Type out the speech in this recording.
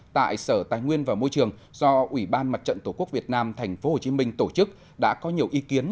tại sở tài nguyên và môi trường do ủy ban mặt trận tổ quốc việt nam tp hcm tổ chức đã có nhiều ý kiến